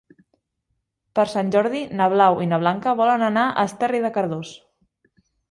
Per Sant Jordi na Blau i na Blanca volen anar a Esterri de Cardós.